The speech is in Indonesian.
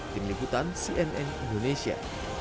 tim likutan cnn indonesia